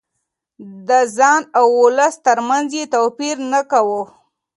د ځان او ولس ترمنځ يې توپير نه کاوه.